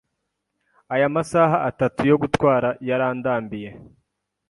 Aya masaha atatu yo gutwara yarandambiye.